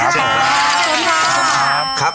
ชิคกี้พายนะครับขอบคุณครับ